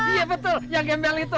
iya betul yang gembel itu